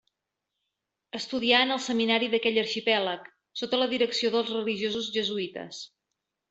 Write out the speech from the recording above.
Estudià en el Seminari d'aquell arxipèlag, sota la direcció dels religiosos Jesuïtes.